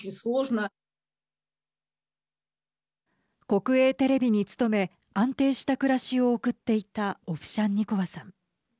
国営テレビに勤め安定した暮らしを送っていたオフシャンニコワさん。